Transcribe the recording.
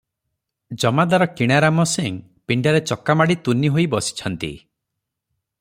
ଜମାଦାର କିଣାରାମ ସିଂ ପିଣ୍ଡାରେ ଚକାମାଡ଼ି ତୁନି ହୋଇ ବସିଛନ୍ତି ।